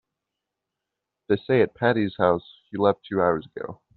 They say at Patti's house he left two hours ago.